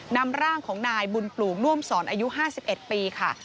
นำร่างของนายบุญปลูงร่วมสอนอายุห้าสิบเอ็ดปีค่ะ